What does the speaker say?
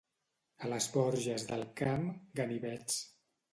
A les Borges del Camp, ganivets.